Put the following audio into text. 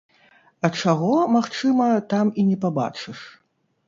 А чаго, магчыма, там і не пабачыш?